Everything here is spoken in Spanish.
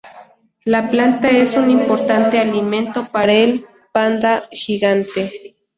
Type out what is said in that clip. La planta es un importante alimento para el panda gigante.